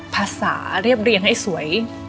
เรียบเรียงให้สวย